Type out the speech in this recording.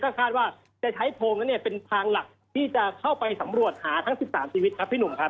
ก็คาดว่าจะใช้โพงนั้นเนี่ยเป็นทางหลักที่จะเข้าไปสำรวจหาทั้ง๑๓ชีวิตครับพี่หนุ่มครับ